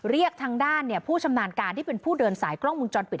เรียกทางด้านผู้ชำนาญการที่เป็นผู้เดินสายกล้องมุมจรปิด